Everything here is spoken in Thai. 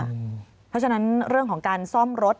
เพราะฉะนั้นเรื่องของการซ่อมรถ